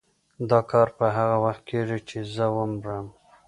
دا کار به هغه وخت کېږي چې زه ومرم.